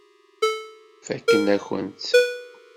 Fakken-akent-t.